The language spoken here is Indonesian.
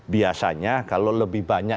biasanya kalau lebih banyak